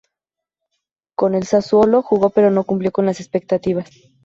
Con el Sassuolo jugó pero no cumplió con las expectativas.